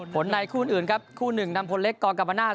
ในคู่อื่นครับคู่หนึ่งนำพลเล็กกรกรรมนาศ